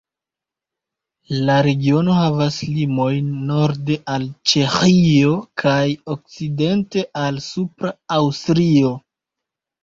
La regiono havas limojn norde al Ĉeĥio, kaj okcidente al Supra Aŭstrio.